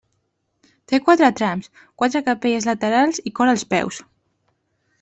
Té quatre trams, quatre capelles laterals i cor als peus.